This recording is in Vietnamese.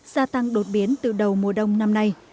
gia tăng đột biến từ đầu mùa đông năm nay